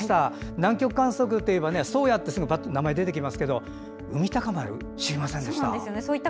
南極観測といえば「宗谷」ってすぐ名前が出てきますが「海鷹丸」は知りませんでした。